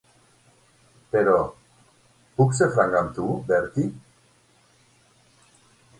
Però, puc ser franc amb tu, Bertie?